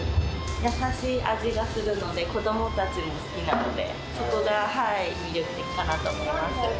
優しい味がするので、子どもたちも好きなので、そこが魅力的かなと思います。